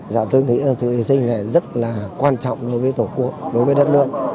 dạ tôi nghĩ thư y sinh này rất là quan trọng đối với tổ quốc đối với đất nước